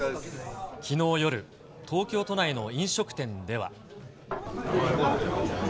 きのう夜、東京都内の飲食店では。